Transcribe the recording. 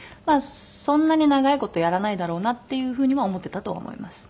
そんなに長い事やらないだろうなっていう風には思ってたとは思います。